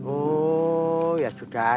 oh ya sudah